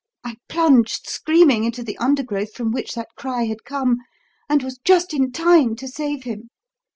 I plunged screaming into the undergrowth from which that cry had come, and was just in time to save him.